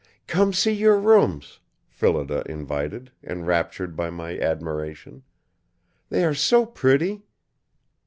"Come see your rooms," Phillida invited, enraptured by my admiration. "They are so pretty!"